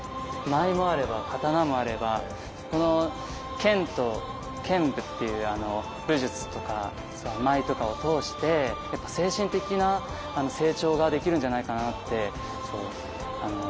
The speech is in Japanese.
舞もあれば刀もあればこの剣と剣舞っていう武術とか舞とかを通して精神的な成長ができるんじゃないかなって今日通して思いましたね。